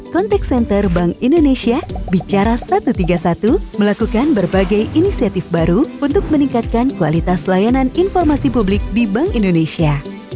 contact center bank indonesia bicara satu ratus tiga puluh satu melakukan berbagai inisiatif baru untuk meningkatkan kualitas layanan informasi publik di bank indonesia